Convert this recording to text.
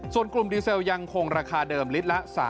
ส่วนกลุ่มดีเซลยังคงราคาเดิมลิตรละ๓๐๐